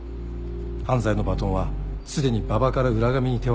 犯罪のバトンはすでに馬場から浦上に手渡されてる。